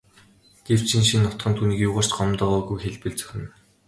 Гэвч энэ шинэ хотхон түүнийг юугаар ч гомдоогоогүйг хэлбэл зохино.